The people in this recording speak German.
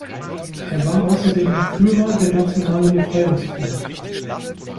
Er war außerdem Führer der Nationalen Befreiungsfront.